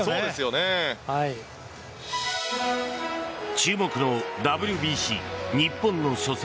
注目のＷＢＣ、日本の初戦。